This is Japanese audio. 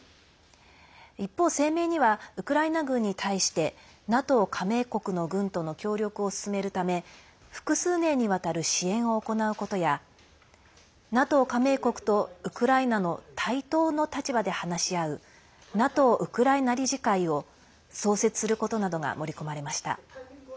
一方、声明にはウクライナ軍に対してＮＡＴＯ加盟国の軍との協力を進めるため複数年にわたる支援を行うことやＮＡＴＯ加盟国とウクライナの対等の立場で話し合うＮＡＴＯウクライナ理事会を創設することなどが盛り込まれました。